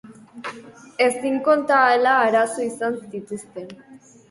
Ezin konta ahala arazo izan zituzten.